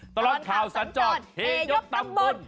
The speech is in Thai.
ตลอดข่าวสัญจรเฮยกตำบล